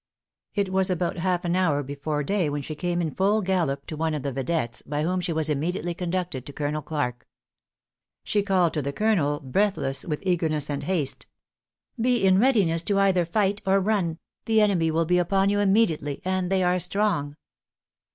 It was about half an hour before day when she came in full gallop to one of the videttes, by whom she was immediately conducted to Colonel Clarke. She called to the colonel, breathless with eagerness and haste, "Be in readiness either to fight or run; the enemy will be upon you immediately, and they are strong!"